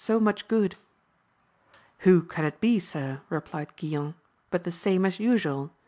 235 so much good ? Who can it be, sir, replied Guilan, but the same as usual